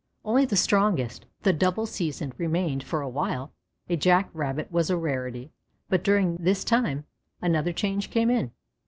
Only the strongest the double seasoned remained. For a while a Jack rabbit was a rarity; but during this time another change came in.